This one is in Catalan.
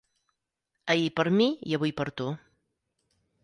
Ahir per mi i avui per tu.